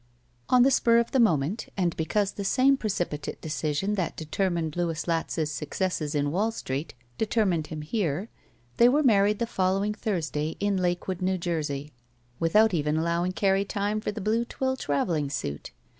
On the spur of the moment and because the same precipitate decision that determined Louis Latz's suc cesses in Wall Street determined him here, they were married the following Thursday in Lakewood, New 35 SHE WALKS IN BEAUTY Jersey, without even allowing Carrie time for the blue twill traveling suit.